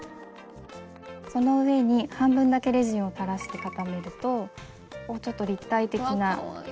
その上に半分だけレジンを垂らして固めるとちょっと立体的な。わかわいい！